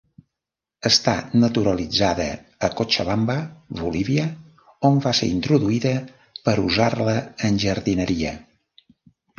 Està naturalitzada a Cochabamba Bolívia, on va ser introduïda per usar-la en jardineria.